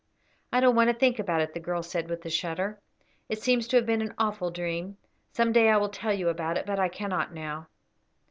"I don't want to think about it," the girl said, with a shudder. "It seems to have been an awful dream. Some day I will tell you about it; but I cannot now."